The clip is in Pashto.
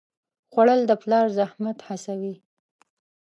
خوړل د پلار زحمت حسوي